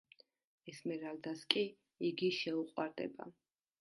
ესმერალდას კი იგი შეუყვარდება.